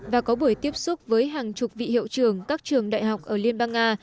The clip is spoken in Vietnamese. và có buổi tiếp xúc với hàng chục vị hiệu trưởng các trường đại học ở liên bang nga